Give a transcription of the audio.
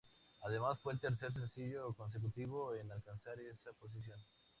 Además, fue el tercer sencillo consecutivo en alcanzar esa posición.